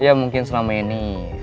ya mungkin selama ini